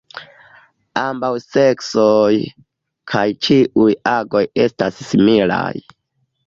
Ambaŭ seksoj kaj ĉiuj aĝoj estas similaj.